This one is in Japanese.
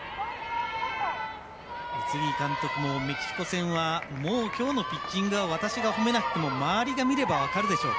宇津木監督もメキシコ戦はもうきょうのピッチングは私が褒めなくても周りが見て分かるでしょう。